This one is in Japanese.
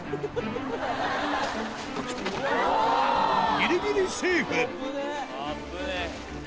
ギリギリセーフ危ねぇ。